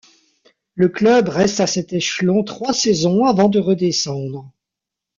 Le club reste à cet échelon trois saisons avant de redescendre.